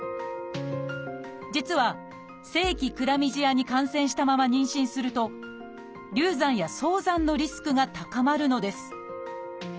実は性器クラミジアに感染したまま妊娠すると流産や早産のリスクが高まるのです。